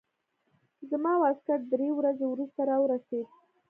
زما واسکټ درې ورځې وروسته راورسېد.